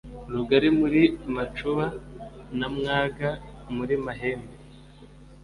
Rugali muri Macuba na Mwaga muri Mahembe